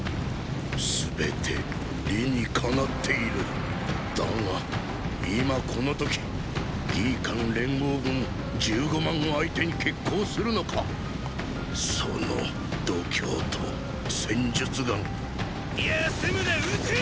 全て理にかなっているだが今この時魏・韓連合軍十五万を相手に決行するのかその“度胸”と“戦術眼”休むなァ射てェ！